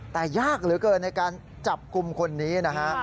แต่ยากเหลือเกินในการจับกลุ่มคนนี้นะฮะ